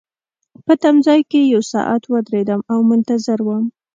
په تمځای کي یو ساعت ودریدم او منتظر وم.